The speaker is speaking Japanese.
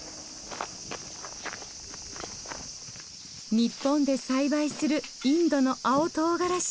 日本で栽培するインドの青とうがらし。